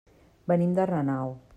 Venim de Renau.